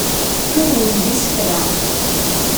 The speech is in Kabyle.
Turwem-d isefra.